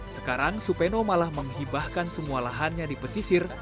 sekarang supeno malah menghibahkan semua lahannya di pesisir